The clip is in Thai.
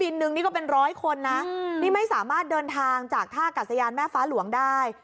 นึงนี่ก็เป็นร้อยคนนะนี่ไม่สามารถเดินทางจากท่ากัดสยานแม่ฟ้าหลวงได้